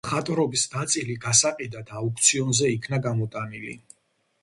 მხატვრობის ნაწილი გასაყიდად აუქციონზე იქნა გამოტანილი.